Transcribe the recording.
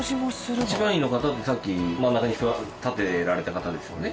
一番員の方ってさっき真ん中に立っておられた方ですよね？